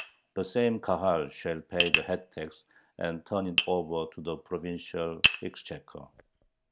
The same Kahal shall pay the head tax, and turn it over to the provincial exchequer.